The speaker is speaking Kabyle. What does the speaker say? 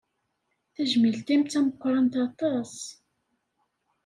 Tajmilt-im ttameqqrant aṭas.